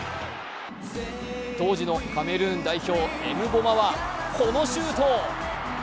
当時のカメルーン代表、エムボマはこのシュート。